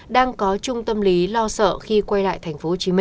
đang có trung tâm lý lo sợ khi quay lại tp hcm